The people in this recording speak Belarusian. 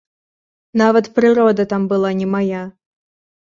Нават прырода там была не мая.